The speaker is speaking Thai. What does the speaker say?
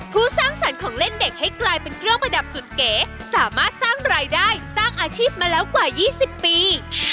สร้างสรรค์ของเล่นเด็กให้กลายเป็นเครื่องประดับสุดเก๋สามารถสร้างรายได้สร้างอาชีพมาแล้วกว่า๒๐ปี